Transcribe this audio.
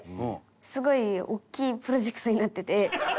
すごい大きいプロジェクトになってて。